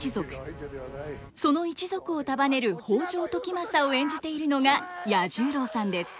その一族を束ねる北条時政を演じているのが彌十郎さんです。